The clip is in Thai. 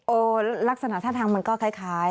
ลักษณะท่าทางมันก็คล้าย